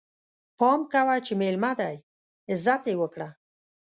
پام کوه چې ميلمه دی، عزت يې وکړه!